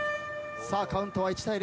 さあカウントは１対０。